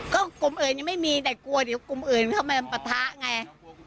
ก็กลุ่มอื่นยังไม่มีแต่กลัวเดี๋ยวกลุ่มอื่นเข้ามาปะทะไง